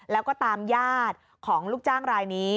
แล้วก็ตามญาติของลูกจ้างรายนี้